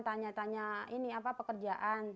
tanya tanya ini apa pekerjaan